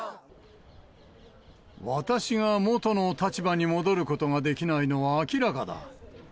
私が元の立場に戻ることができないのは明らかだ。